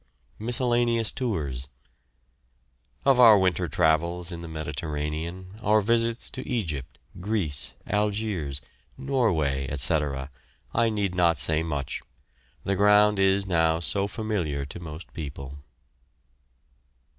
MISCELLANEOUS TOURS. Of our winter travels in the Mediterranean, our visits to Egypt, Greece, Algiers, Norway, etc., I need not say much, the ground is now so familiar to most people.